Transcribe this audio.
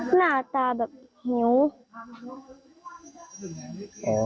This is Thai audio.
หน้าตาแบบหิว